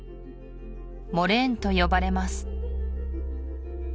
モレーンと呼ばれます